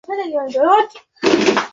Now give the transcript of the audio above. আমি আর কিছু জানি না, স্যার।